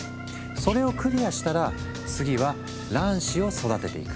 それをクリアしたら次は卵子を育てていく。